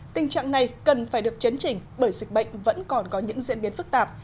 tình trạng này cần phải được chấn chỉnh bởi dịch bệnh vẫn còn có những diễn biến phức tạp